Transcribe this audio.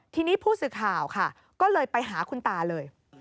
ทีนี้ผู้สื่อข่าวค่ะก็เลยไปหาคุณตาเลย